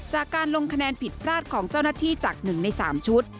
จากการลงคะแนนผิดพลาดของเจ้าหน้าที่จาก๑ใน๓ชุด